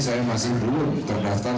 saya masih belum terdaftar